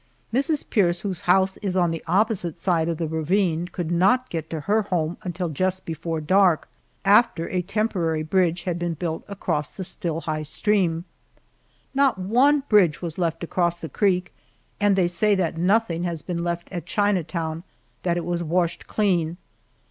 Mrs. Pierce, whose house is on the opposite side of the ravine, could not get to her home until just before dark, after a temporary bridge had been built across the still high stream. Not one bridge was left across the creek, and they say that nothing has been left at Chinatown that it was washed clean.